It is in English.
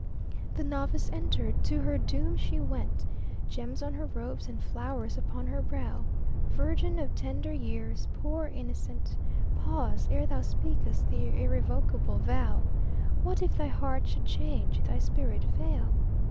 The novice entered: to her doom she went, Gems on her robes, and flowers upon her brow. Virgin of tender years, poor innocent! Pause, ere thou speak th' irrevocable vow. What if thy heart should change, thy spirit fail?